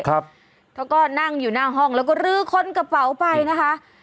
เขาก็นั่งอยู่หน้าห้องแล้วก็ลื้อค้นกระเป๋าไปนะคะ